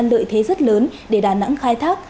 lợi thế rất lớn để đà nẵng khai thác